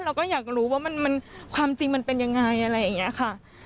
เราก็อยากรู้ว่ามันความจริงมันเป็นยังไงอะไรอย่างนี้ค่ะ